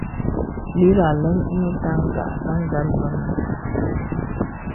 Lít àlə̀n enə tànka à nzàl vənə.